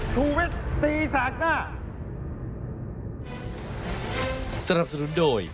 สวัสดีค่ะต้อนรับคุณบุษฎี